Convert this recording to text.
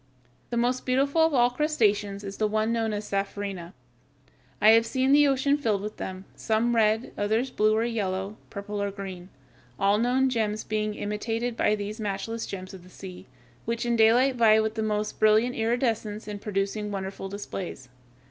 The most beautiful of all crustaceans is the one known as Sapphirina. I have seen the ocean filled with them; some red, others blue or yellow, purple or green, all known gems being imitated by these matchless gems of the sea, which in daylight vie with the most brilliant iridescence in producing wonderful displays.